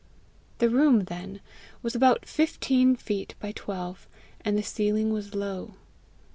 The room, then, was about fifteen feet by twelve, and the ceiling was low.